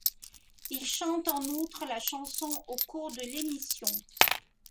Ils chantent en outre la chanson au cours de l'émission.